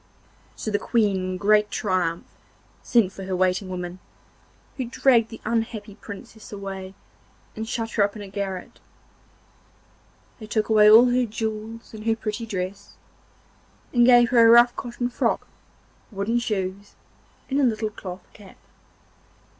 So the Queen in great triumph sent for her waiting women, who dragged the unhappy Princess away and shut her up in a garret; they took away all her jewels and her pretty dress, and gave her a rough cotton frock, wooden shoes, and a little cloth cap.